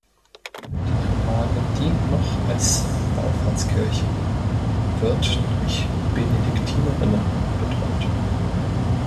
Die Anlage dient noch als Wallfahrtskirche und wird durch Benediktinerinnen betreut.